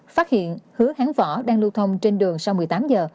phát hiện hứa hán võ đang lưu thông trên đường sau một mươi tám giờ